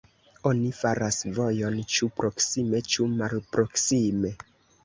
Oni faras vojon, ĉu proksime ĉu malproksime.